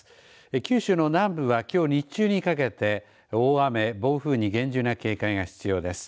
九州の南部はきょう日中にかけて大雨、暴風に厳重な警戒が必要です。